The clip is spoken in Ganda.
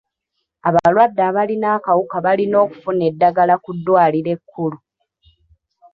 Abalwadde abalina akawuka balina okufuna eddagala ku ddwaliro ekkulu.